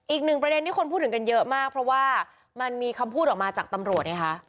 อีกหนึ่งประเด็นที่คนพูดถึงกันเยอะมากเพราะว่ามันมีคำพูดออกมาจากตำรวจไงคะ